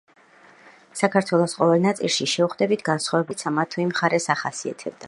საქართველოს ყოველ ნაწილში შეხვდებით განსხვავებული სახის კერძებს, რომელიც ამა თუ იმ მხარეს ახასიათებდა.